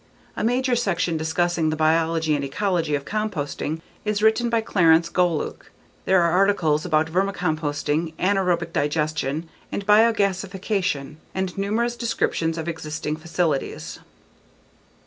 A major section discussing the biology and ecology of composting is written by Clarence Golueke. There are articles about vermicomposting, anaerobic digestion and biogasification, and numerous descriptions of existing facilities.